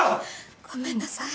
ごめんなさい！